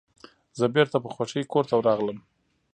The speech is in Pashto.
زه بیرته په خوښۍ کور ته راغلم.